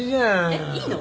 えっいいの？